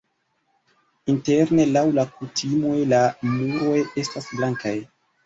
Interne laŭ la kutimoj la muroj estas blankaj.